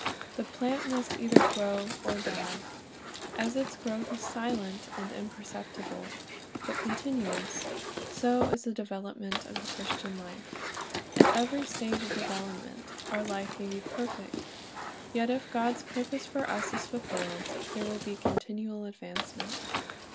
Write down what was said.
The plant must either grow or die. As its growth is silent and imperceptible, but con tinuous, so is the development of the Christian life. At every stage of development our life may be perfect; yet if God's purpose for us is fulfilled, there will be continual advancement.